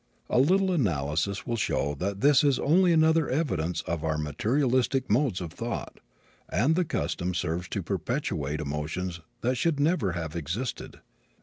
A little analysis will show that this is only another evidence of our materialistic modes of thought, and the custom serves to perpetuate emotions that should never have existed.